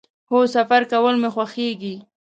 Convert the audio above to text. هو، سفر کول می خوښیږي